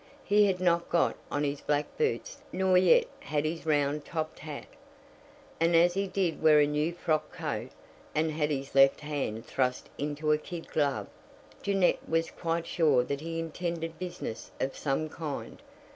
He had not got on his black boots nor yet had his round topped hat. And as he did wear a new frock coat, and had his left hand thrust into a kid glove, Jeannette was quite sure that he intended business of some kind.